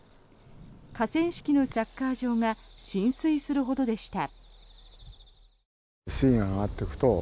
河川敷のサッカー場が浸水するほどでした。